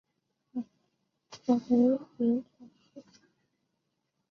汉城蝇子草是石竹科蝇子草属的植物。